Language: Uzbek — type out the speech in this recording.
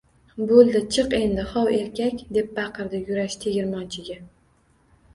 Boʻldi, chiq endi, hov, erkak! – deb baqirdi Yurash tegirmonchiga.